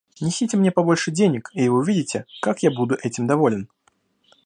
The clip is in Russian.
Несите мне побольше денег, и вы увидите, как я буду этим доволен.